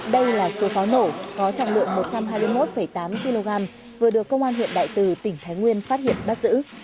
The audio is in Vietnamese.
đây là số pháo nổ có trọng lượng một trăm hai mươi một tám kg vừa được công an huyện đại từ tỉnh thái nguyên phát hiện bắt giữ